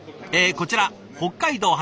こちら北海道発